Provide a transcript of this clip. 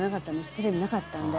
テレビなかったんで。